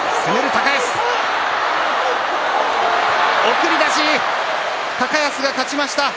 送り出し高安が勝ちました。